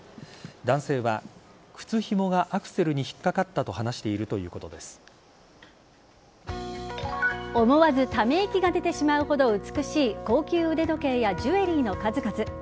男性は靴ひもがアクセルに引っかかったと思わずため息が出てしまうほど美しい高級腕時計やジュエリーの数々。